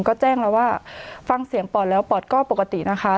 ก็แจ้งแล้วว่าฟังเสียงปอดแล้วปอดก็ปกตินะคะ